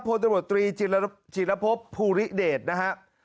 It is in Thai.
โพลตรวรรษตรีจิตรพบภูลิเดทนะฮะ